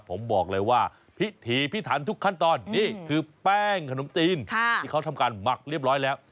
ผมบอกเลยว่าพิถีพิถันทุกขั้นตอนนี่คือแป้งขนมจีนที่เขาทำการหมักเรียบร้อยแล้ว